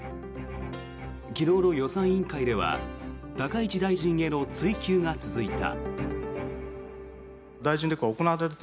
昨日の予算委員会では高市大臣への追及が続いた。